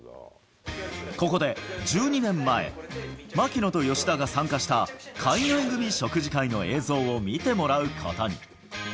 ここで、１２年前、槙野と吉田が参加した海外組食事会の映像を見てもらうことに。